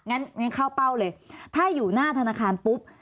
งั้นเข้าเป้าเลยถ้าอยู่หน้าธนาคารปุ๊บ